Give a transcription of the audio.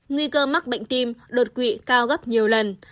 nguy cơ mắc bệnh tim đột quỵ cao gấp nhiều lần